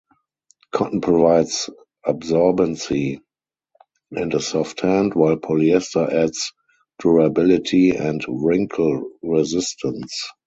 Cotton provides absorbency and a soft hand, while polyester adds durability and wrinkle resistance.